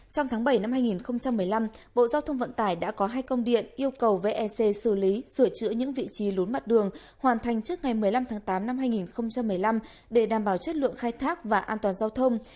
trong tháng bảy năm hai nghìn một mươi năm bộ giao thông vận tải đã có hai công điện yêu cầu vec xử lý sửa chữa những vị trí lún mặt đường hoàn thành trước ngày một mươi năm tháng tám năm hai nghìn một mươi năm để đảm bảo chất lượng khai thác và an toàn giao thông